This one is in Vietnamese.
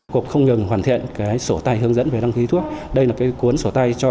cục không ngừng hoàn thiện cái sổ tay hướng dẫn về đăng ký thuốc đây là cái cuốn sổ tay cho